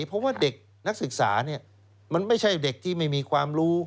เพราะว่าเด็กนักศึกษามันไม่ใช่เด็กที่ไม่มีความรู้